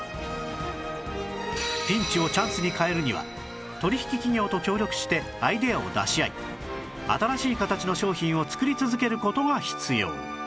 ピンチをチャンスに変えるには取引企業と協力してアイデアを出し合い新しい形の商品を作り続ける事が必要